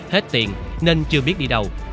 hết tiền nên chưa biết đi đâu